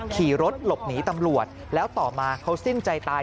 ขี่รถหลบหนีตำรวจแล้วต่อมาเขาสิ้นใจตาย